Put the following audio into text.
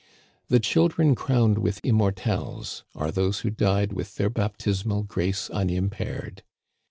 The children crowned with immortelles are those who died with their baptis mal grace unimpaired.